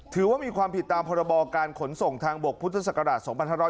ถือว่ามีความผิดตามพบการขนส่งทางบกพศ๒๑๒๒